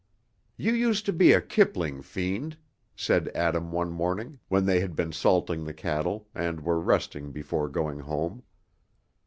"You used to be a Kipling fiend," said Adam, one morning, when they had been salting the cattle, and were resting before going home.